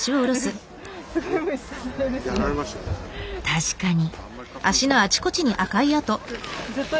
確かに。